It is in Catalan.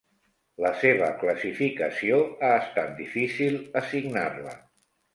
La seva classificació ha estat difícil assignar-la.